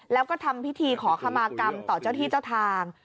แล้วก็ทำพิธีขอขมากรรมต่อเจ้าที่เจ้าทาง